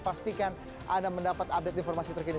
pastikan anda mendapat update informasi terkini